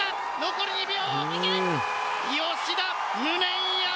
残り２秒！